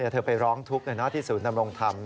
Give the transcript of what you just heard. เธอไปร้องทุกข์ที่ศูนย์ดำรงธรรม